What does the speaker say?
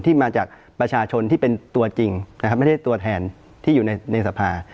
มาจากประชาชนที่เป็นตัวจริงนะครับไม่ใช่ตัวแทนที่อยู่ในสภา